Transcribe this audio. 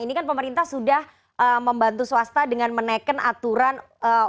ini kan pemerintah sudah membantu swasta dengan menaikkan aturan untuk vaksin gotong royong